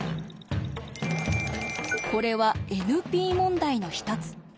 これはＮＰ問題の一つ。